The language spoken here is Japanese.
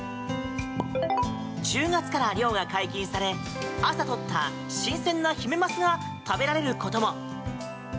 １０月から漁が解禁され朝取った新鮮なヒメマスが食べられることも！